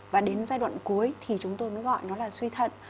và đến giai đoạn cuối thì chúng tôi mới gọi nó là suy thận